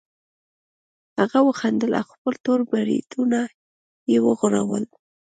هغه وخندل او خپل تور بریتونه یې وغوړول